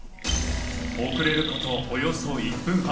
遅れること、およそ１分半。